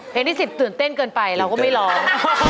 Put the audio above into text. ที่๑๐ตื่นเต้นเกินไปเราก็ไม่ร้อง